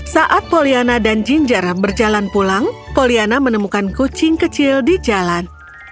saat poliana dan ginger berjalan pulang poliana menemukan kucing kecil di jalan